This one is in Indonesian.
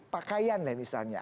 pakaian ya misalnya